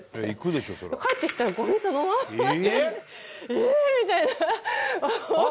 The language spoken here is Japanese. えーっ！みたいな。